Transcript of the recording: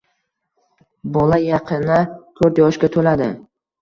Bola yaqina to‘rt yoshga to‘ladi